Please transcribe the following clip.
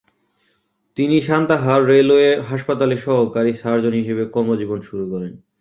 তিনি সান্তাহার রেলওয়ে হাসপাতালে সহকারি সার্জন হিসেবে কর্মজীবন শুরু করেন।